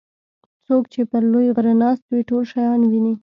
څوک چې پر لوی غره ناست وي ټول شیان ویني.